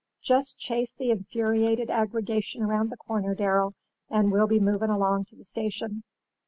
Jist chase the infuriated aggregation around the corner, Darrel, and we'll be movin' along to the station.